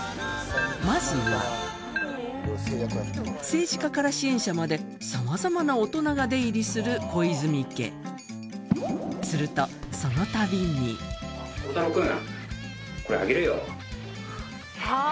まずは政治家から支援者までさまざまな大人が出入りする小泉家すると皆さん。